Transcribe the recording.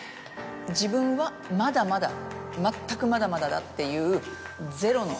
「自分はまだまだ全くまだまだだ」っていう。